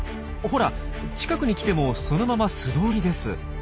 ほら近くに来てもそのまま素通りです。